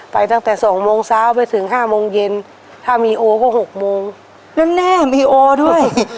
ตั้งแต่สองโมงเช้าไปถึงห้าโมงเย็นถ้ามีโอก็๖โมงแล้วแน่มีโอด้วย